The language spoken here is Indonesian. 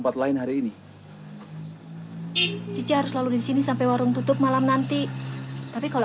bukan orang yang bisa mengalah begitu saja